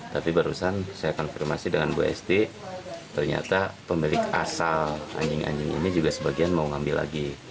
tapi barusan saya konfirmasi dengan bu esd ternyata pemilik asal anjing anjing ini juga sebagian mau ngambil lagi